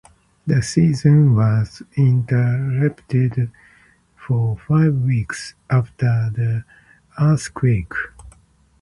The season was interrupted for five weeks after the earthquake.